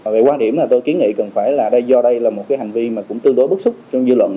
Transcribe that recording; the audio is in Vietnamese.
vậy quan điểm là tôi kiến nghị cần phải là do đây là một hành vi tương đối bức xúc trong dư luận